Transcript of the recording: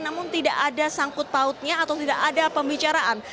namun tidak ada sangkut pautnya atau tidak ada pembicaraan